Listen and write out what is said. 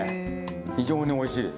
非常においしいです。